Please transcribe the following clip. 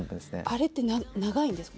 あれって長いんですか？